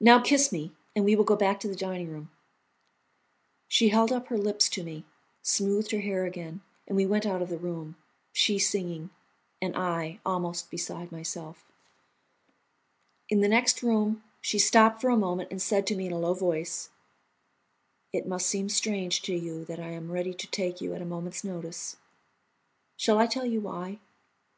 "Now, kiss me, and we will go back to the dining room." She held up her lips to me, smoothed her hair again, and we went out of the room, she singing, and I almost beside myself. In the next room she stopped for a moment and said to me in a low voice: "It must seem strange to you that I am ready to take you at a moment's notice. Shall I tell you why?